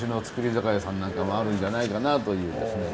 酒屋さんなんかもあるんじゃないかなというですね。